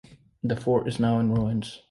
The fort is now in ruins.